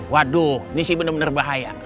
waduh ini sih bener bener bahaya